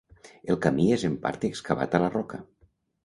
El camí és en part excavat a la roca.